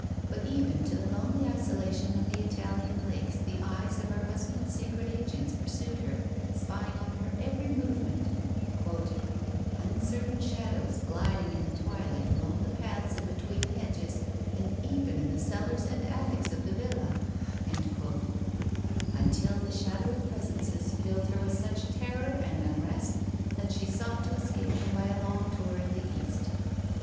But even to the lonely isolation of the Italian lakes the eyes of her husband's secret agents pursued her, spying on her every movement "uncertain shadows gliding in the twilight along the paths and between the hedges, and even in the cellars and attics of the villa" until the shadowy presences filled her with such terror and unrest that she sought to escape them by a long tour in the East.